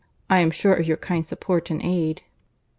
I am sure of your kind support and aid."